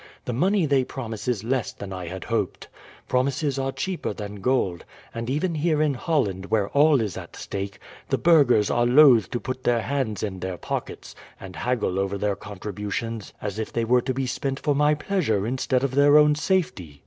The money they promise is less than I had hoped. Promises are cheaper than gold, and even here in Holland, where all is at stake, the burghers are loath to put their hands in their pockets, and haggle over their contributions as if they were to be spent for my pleasure instead of their own safety.